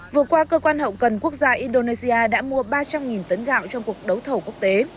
vừa qua cơ quan hậu cần quốc gia indonesia đã mua ba trăm linh tấn gạo trong cuộc đấu thầu quốc tế